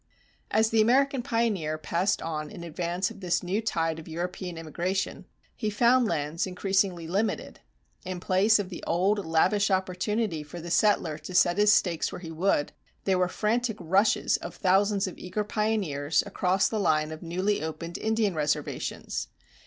As the American pioneer passed on in advance of this new tide of European immigration, he found lands increasingly limited. In place of the old lavish opportunity for the settler to set his stakes where he would, there were frantic rushes of thousands of eager pioneers across the line of newly opened Indian reservations.